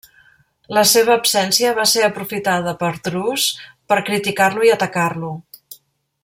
La seva absència va ser aprofitada per Drus per criticar-lo i atacar-lo.